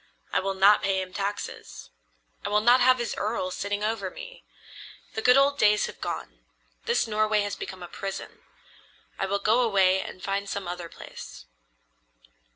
I will not pay him taxes. I will not have his earl sitting over me. The good old days have gone. This Norway has become a prison. I will go away and find some other place."